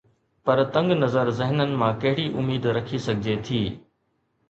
پر تنگ نظر ذهنن مان ڪهڙي اميد رکي سگهجي ٿي؟